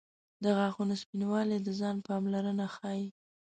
• د غاښونو سپینوالی د ځان پاملرنه ښيي.